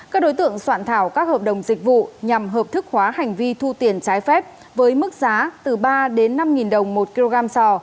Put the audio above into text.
các đối tượng soạn thảo các hợp đồng dịch vụ nhằm hợp thức hóa hành vi thu tiền trái phép với mức giá từ ba đến năm đồng một kg sò